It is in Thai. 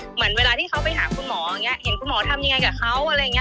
เหมือนเวลาที่เขาไปหาคุณหมออย่างนี้เห็นคุณหมอทำยังไงกับเขาอะไรอย่างนี้